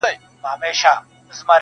راته مخ کې د ښادیو را زلمي مو یتیمان کې-